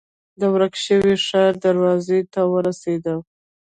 د ورک شوي ښار دروازې ته ورسېدم.